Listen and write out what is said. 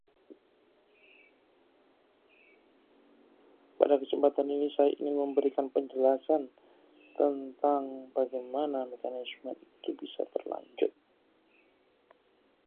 bus itu tidak terkejar olehnya